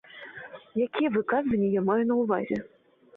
Якія выказванні я маю на ўвазе?